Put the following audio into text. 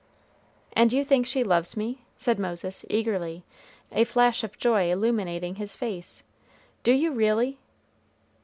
"And you think she loves me?" said Moses, eagerly, a flash of joy illuminating his face; "do you, really?"